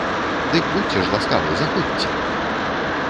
Дык будзьце ж ласкавы, заходзьце!